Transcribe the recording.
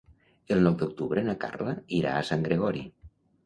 El nou d'octubre na Carla irà a Sant Gregori.